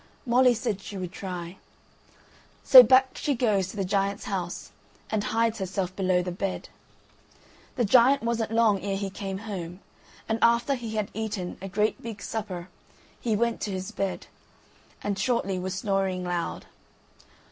Molly said she would try. So back she goes to the giant's house, and hides herself below the bed. The giant wasn't long ere he came home, and, after he had eaten a great big supper, he went to his bed, and shortly was snoring loud.